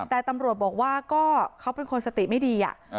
แต่ตำรวจบอกว่าก็เขาเป็นคนสติไม่ดี